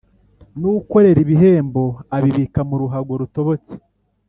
N ukorera ibihembo abibika mu ruhago rutobotse